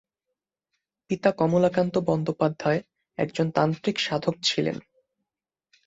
পিতা কমলাকান্ত বন্দ্যোপাধ্যায় একজন তান্ত্রিক সাধক ছিলেন।